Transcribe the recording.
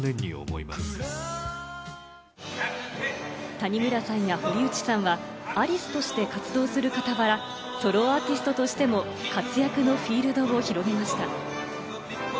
谷村さんや堀内さんはアリスとして活動する傍ら、ソロアーティストとしても活躍のフィールドを広げました。